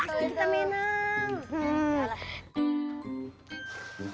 pasti kita menang